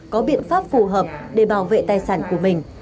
có biện pháp phù hợp để bảo vệ tài sản của mình